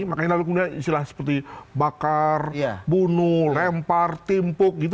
makanya lalu kemudian istilah seperti bakar bunuh lempar timpuk gitu